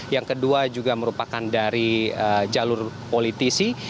yang kedua juga merupakan dari jalur politisi